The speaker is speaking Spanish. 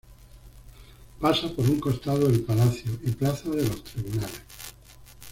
Pasa por un costado del Palacio y Plaza de los Tribunales.